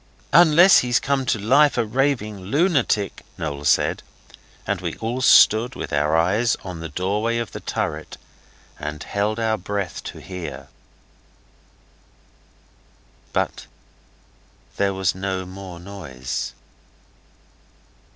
'Unless he's come to life a raving lunatic,' Noel said, and we all stood with our eyes on the doorway of the turret and held our breath to hear. But there was no more noise.